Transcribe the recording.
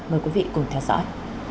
mời quý vị cùng theo dõi